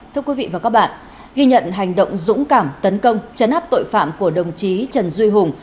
thưa quý vị và các bạn ghi nhận hành động dũng cảm tấn công chấn áp tội phạm của đồng chí trần duy hùng